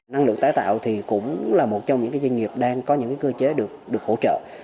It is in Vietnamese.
năng lượng tái tạo thì cũng là một trong những doanh nghiệp đang có những cơ chế được hỗ trợ